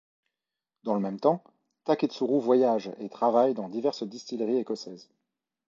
Dans le même temps Taketsuru voyage et travaille dans diverses distilleries écossaises.